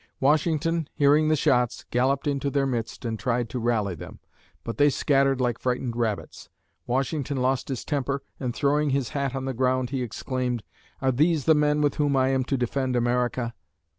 Washington, hearing the shots, galloped into their midst and tried to rally them, but they scattered like frightened rabbits. Washington lost his temper, and throwing his hat on the ground, he exclaimed, "Are these the men with whom I am to defend America?"